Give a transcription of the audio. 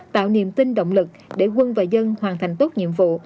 tạo niềm tin động lực để quân và dân hoàn thành tốt nhiệm vụ